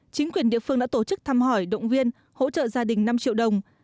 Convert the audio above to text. chính quyền địa phương đã tổ chức thăm hỏi động viên hỗ trợ gia đình năm triệu đồng